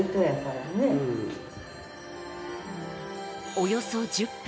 およそ１０分